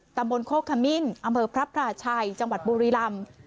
ตำบลโคกขมิ้นอำเภอพระพราชัยจังหวัดบุรีลำ